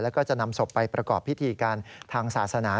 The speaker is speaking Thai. แล้วก็จะนำศพไปประกอบพิธีการทางศาสนา